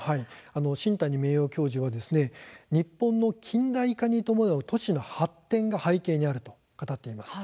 新谷名誉教授は日本の近代化に伴う都市の発展が背景にあると語っています。